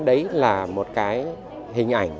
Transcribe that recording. đấy là một cái hình ảnh